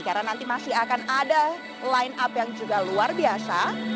karena nanti masih akan ada line up yang juga luar biasa